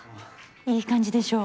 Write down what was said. いい感じでしょ？